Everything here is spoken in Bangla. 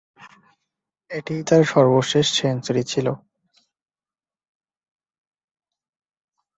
এটিই তার সর্বশেষ সেঞ্চুরি ছিল।